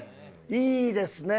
いいですね。